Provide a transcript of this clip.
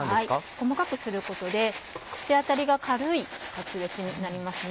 細かくすることで口当たりが軽いカツレツになりますね。